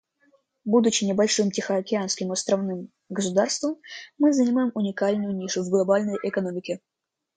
Будучи небольшим тихоокеанским островным государством, мы занимаем уникальную нишу в глобальной экономике.